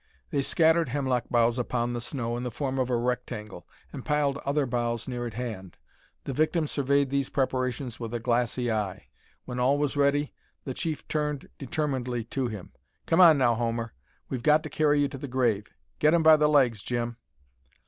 They scattered hemlock boughs upon the snow in the form of a rectangle, and piled other boughs near at hand. The victim surveyed these preparations with a glassy eye. When all was ready, the chief turned determinedly to him: "Come on now, Homer. We've got to carry you to the grave. Get him by the legs, Jim!"